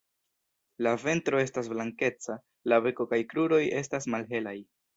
La ventro estas blankeca, la beko kaj kruroj estas malhelaj.